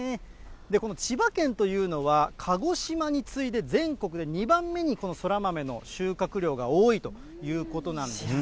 この千葉県というのは、鹿児島に次いで全国で２番目にこのそら豆の収穫量が多いということなんです。